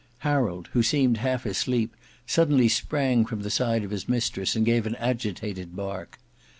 Harold who seemed half asleep suddenly sprang from the side of his mistress and gave an agitated bark.